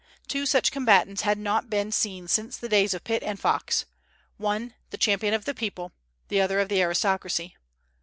Two such combatants had not been seen since the days of Pitt and Fox, one, the champion of the people; the other, of the aristocracy.